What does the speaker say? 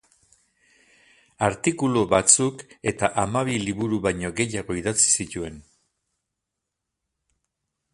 Artikulu batzuk eta hamabi liburu baino gehiago idatzi zituen.